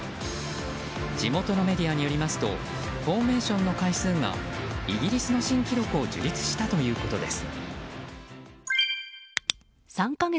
地元のメディアによりますとフォーメーションの回数がイギリスの新記録を樹立したということです。